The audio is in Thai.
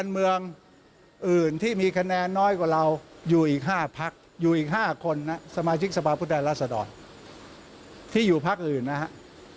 อยู่อีก๕พักอยู่อีก๕คนนะสมาชิกสภาพุทธรรมรสดรที่อยู่พักอื่นนะครับ